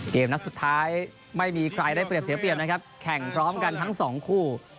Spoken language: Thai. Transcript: นัดสุดท้ายไม่มีใครได้เปรียบเสียเปรียบนะครับแข่งพร้อมกันทั้งสองคู่